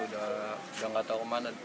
udah gak tau kemana